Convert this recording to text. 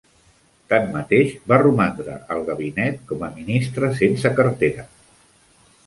Tanmateix, va romandre al gabinet com a ministre sense cartera.